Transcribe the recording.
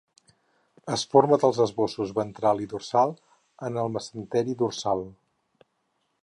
Es forma dels esbossos, ventral i dorsal, en el mesenteri dorsal.